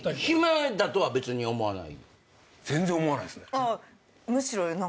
全然思わないっすね。